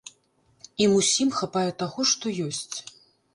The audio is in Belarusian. Ім ўсім хапае таго, што ёсць.